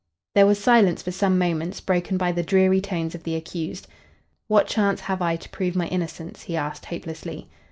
There was silence for some moments, broken by the dreary tones of the accused. "What chance have I to prove my innocence?" he asked, hopelessly.